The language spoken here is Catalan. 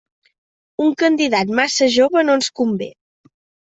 Un candidat massa jove no ens convé.